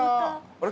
あれ？